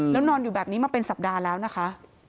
แล้วนอนอยู่แบบนี้มาเป็นสัปดาห์แล้วนะคะ